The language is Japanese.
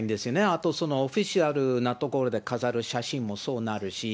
あとオフィシャルな所で飾る写真もそうなるし。